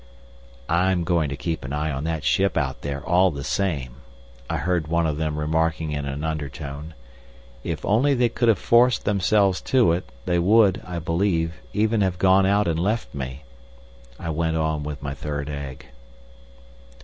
"I'm going to keep an eye on that ship out there all the same," I heard one of them remarking in an undertone. If only they could have forced themselves to it, they would, I believe, even have gone out and left me. I went on with my third egg.